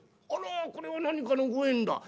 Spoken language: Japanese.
「あらこれは何かのご縁だ。